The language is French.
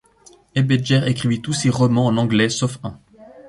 Ebejer écrivit tous ses romans en anglais sauf un.